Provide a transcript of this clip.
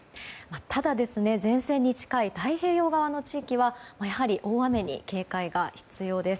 ただ、前線に近い太平洋側の地域はやはり大雨に警戒が必要です。